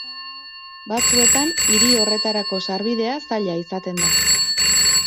Batzuetan hiri horretarako sarbidea zaila izaten da.